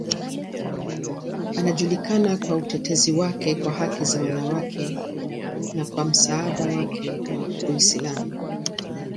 Anajulikana kwa utetezi wake wa haki za wanawake na kwa msaada wake wa Uislamu.